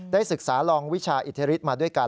ศึกษาลองวิชาอิทธิฤทธิมาด้วยกัน